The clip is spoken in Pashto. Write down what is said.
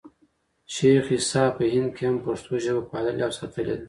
شېخ عیسي په هند کښي هم پښتو ژبه پاللـې او ساتلې ده.